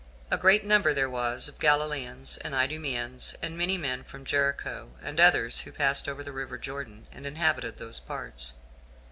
A great number there was of Galileans, and Idumeans, and many men from Jericho, and others who had passed over the river Jordan, and inhabited those parts.